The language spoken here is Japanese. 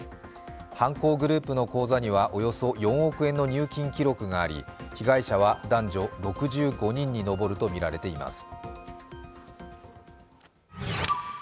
犯行グループの口座にはおよそ４億円の入金記録があり被害者は男女６５人に上るとみられています。